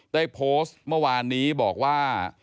ได้โพสต์เมื่อวานนี้บอกว่า